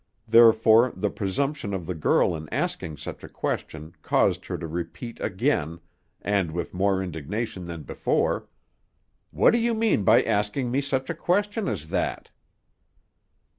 Therefore the presumption of the girl in asking such a question caused her to repeat again, and with more indignation than before: "What do you mean by asking me such a question as that?"